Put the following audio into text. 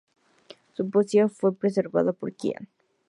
Su poesía fue preservada por Qian.